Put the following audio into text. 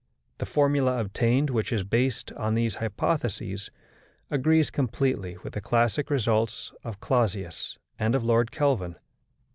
The formula obtained, which is based on these hypotheses, agrees completely with the classic results of Clausius and of Lord Kelvin.